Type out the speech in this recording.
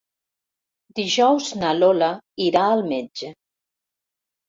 Dijous na Lola irà al metge.